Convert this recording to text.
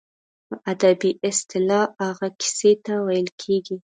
په ادبي اصطلاح هغې کیسې ته ویل کیږي.